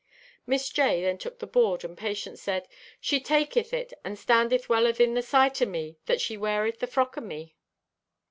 Miss J. then took the board and Patience said: "She taketh it she standeth well athin the sight o' me that she weareth the frock o' me."